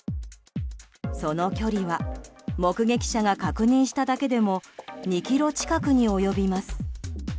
その距離は目撃者が確認しただけでも２ｋｍ近くに及びます。